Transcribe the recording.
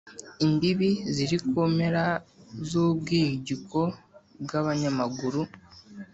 Imbibi ziri ku mpera z'ubwihugiko bw'abanyamaguru